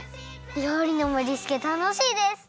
りょうりのもりつけたのしいです！